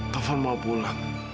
taufan mau pulang